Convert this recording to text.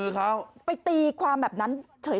เอาไว้ใส่ดับกินด้วย